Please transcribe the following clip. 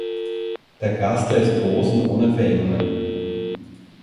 Der Gaster ist groß und ohne Verengungen.